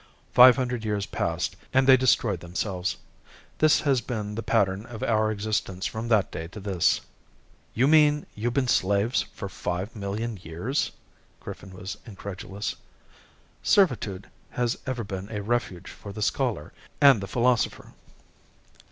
Five hundred years passed and they destroyed themselves. This has been the pattern of our existence from that day to this." "You mean you've been slaves for five million years?" Griffin was incredulous. "Servitude has ever been a refuge for the scholar and the philosopher."